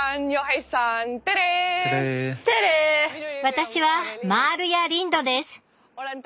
私はマールヤ・リンドです！